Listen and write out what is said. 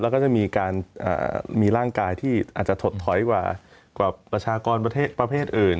แล้วก็จะมีการมีร่างกายที่อาจจะถดถอยกว่าประชากรประเภทอื่น